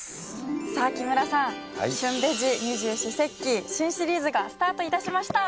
さあ木村さん「旬ベジ二十四節気」新シリーズがスタート致しました。